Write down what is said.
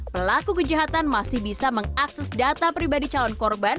pelaku kejahatan masih bisa mengakses data pribadi calon korban